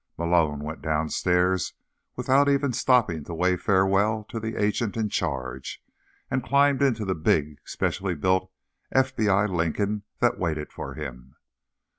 Malone went downstairs without even stopping to wave farewell to the agent in charge, and climbed into the big, specially built FBI Lincoln that waited for him.